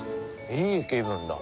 いい気分だ。